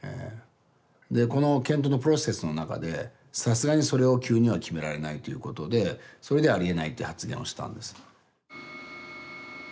でこの検討のプロセスの中でさすがにそれを急には決められないということでそれで「ありえない」って発言をしたんです。